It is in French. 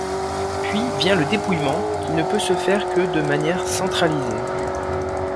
Puis vient le dépouillement, qui ne peut se faire que de manière centralisée.